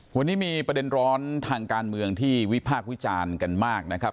วันนี้มีประเด็นร้อนทางการเมืองที่วิพากษ์วิจารณ์กันมากนะครับ